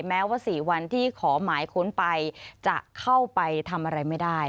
แม้ว่า๔วันที่ขอหมายค้นไปจะเข้าไปทำอะไรไม่ได้